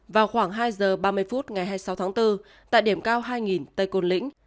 vào khoảng hai giờ ba mươi phút ngày hai mươi sáu tháng bốn tại điểm cao hai tây côn lĩnh